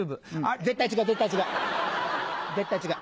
絶対違う絶対違う絶対違う。